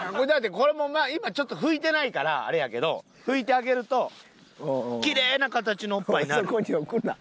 だってこれ今ちょっと拭いてないからあれやけど拭いてあげるときれいな形のおっぱいになる。